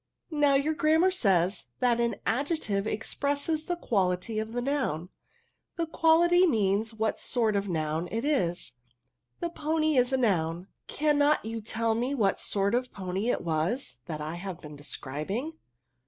. "Now your Grammar says, that an ad jective expresses the quality of tha noun; the qMlify means what sort.of/aMaouii it is; the pony is the noun ; cannot you tell 'me what sort of a pony it was that I have' been descrfting?'